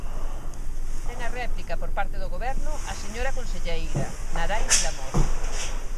Ten a réplica, por parte do Goberno, a señora conselleira, Narai Vilamor.